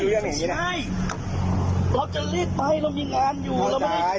ช่วยเราพูดอย่างนี้อยู่แล้วพี่เนี่ยคุณต้องอุ้มผมอ่ะ